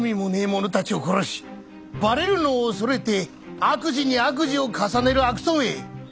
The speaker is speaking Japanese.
者たちを殺しバレるのを恐れて悪事に悪事を重ねる悪党め！